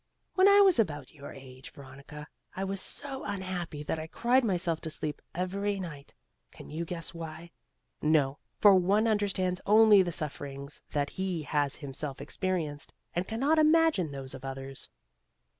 "When I was about your age, Veronica, I was so unhappy that I cried myself to sleep every night. Can you guess why? No, for one understands only the sufferings that he has himself experienced, and cannot imagine those of others.